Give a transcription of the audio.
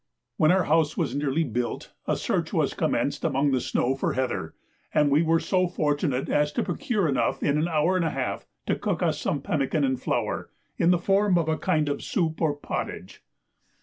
When our house was nearly built, a search was commenced among the snow for heather, and we were so fortunate as to procure enough in an hour and a half to cook us some pemmican and flour, in the form of a kind of soup or pottage.